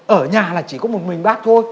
ở nhà là chỉ có một mình bác thôi